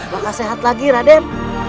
maka sehat lagi raden